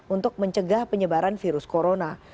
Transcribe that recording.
untuk mencegah penyebaran virus corona